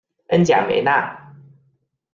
恩贾梅纳。